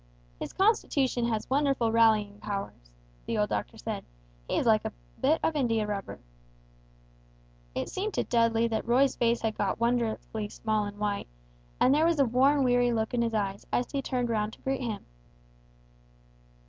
"His constitution has wonderful rallying powers," the old doctor said; "he is like a bit of india rubber!" It seemed to Dudley that Roy's face had got wonderfully white and small; and there was a weary worn look in his eyes, as he turned round to greet him.